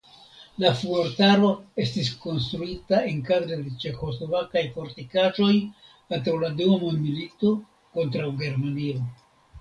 La fuortaro estis konstruita enkadre de ĉeĥoslovakaj fortikaĵoj antaŭ la dua mondmilito kontraŭ Germanio.